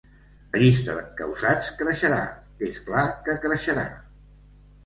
La llista d’encausats creixerà, és clar que creixerà.